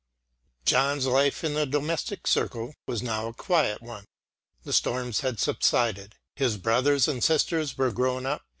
John's life in the domestic circle was now a quiet one. The storms had subsided; his brothers and sisters were grown up.